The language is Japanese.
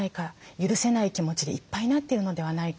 許せない気持ちでいっぱいになっているのではないか。